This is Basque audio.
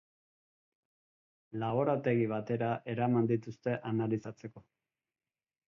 Laborategi batera eraman dituzte analizatzeko.